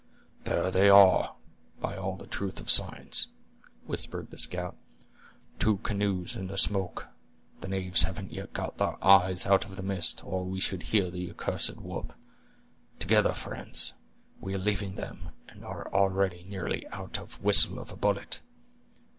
"There they are, by all the truth of signs," whispered the scout, "two canoes and a smoke. The knaves haven't yet got their eyes out of the mist, or we should hear the accursed whoop. Together, friends! we are leaving them, and are already nearly out of whistle of a bullet."